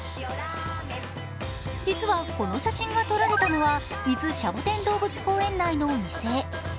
実は、この写真が撮られたのは伊豆シャボテン動物公園内の店。